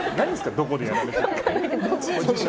どこでやられてたって。